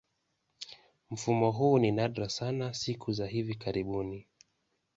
Mfumo huu ni nadra sana siku za hivi karibuni.